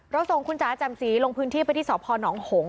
เราส่งคุณจ๋าแจ่มศรีลงพื้นที่ไปที่สอบพรน้องหงค์